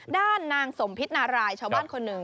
ด้านนางสมพิษนารายชาวบ้านคนหนึ่ง